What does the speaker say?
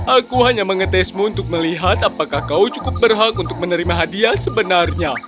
aku hanya mengetesmu untuk melihat apakah kau cukup berhak untuk menerima hadiah sebenarnya